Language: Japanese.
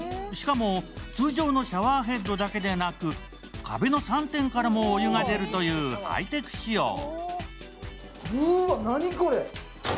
しかも通常のシャワーヘッドだけでなく、壁の３点からもお湯が出るというハイテク仕様。